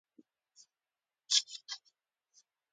کمه د حقونو د ضایع کېدو په اړه قانوني دعوه.